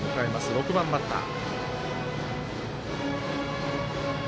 ６番バッター。